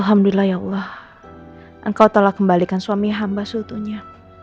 alhamdulillah ya allah anka th allowed kembalikan suami hamba sultunya